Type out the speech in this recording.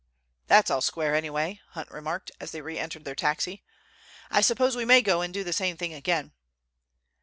"That's all square anyway," Hunt remarked, as they reentered their taxi. "I suppose we may go and do the same thing again."